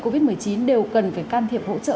covid một mươi chín đều cần phải can thiệp hỗ trợ